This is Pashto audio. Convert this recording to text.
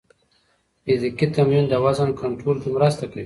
فزیکي تمرین د وزن کنټرول کې مرسته کوي.